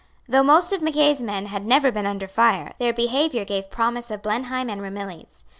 Though most of Mackay's men had never before been under fire, their behaviour gave promise of Blenheim and Ramilies.